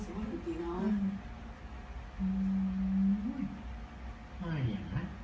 อาทิตย์ไม่ควรล่ะ